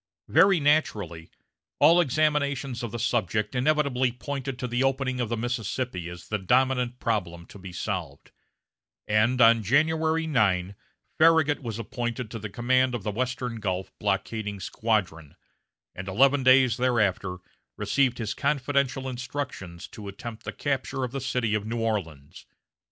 Very naturally, all examinations of the subject inevitably pointed to the opening of the Mississippi as the dominant problem to be solved; and on January 9, Farragut was appointed to the command of the western Gulf blockading squadron, and eleven days thereafter received his confidential instructions to attempt the capture of the city of New Orleans.